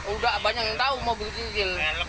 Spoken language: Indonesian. udah banyak yang tahu mobil zigil